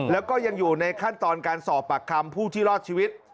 แล้วก็ยังอยู่ในขั้นตอนการสอบปากคำผู้ที่รอดชีวิต